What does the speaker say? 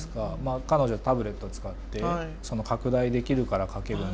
彼女はタブレットを使って拡大できるから描けるんだって。